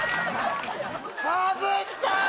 外した！